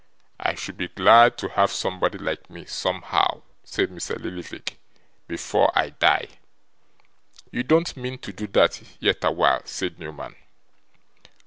'I should be glad to have somebody like me, somehow,' said Mr. Lillyvick, 'before I die.' 'You don't mean to do that, yet awhile?' said Newman.